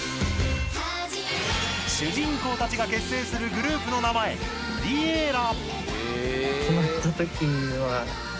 主人公たちが結成するグループの名前Ｌｉｅｌｌａ！。